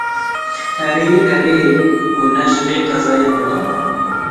Erê, erê, ku ne ji vê qezayê biba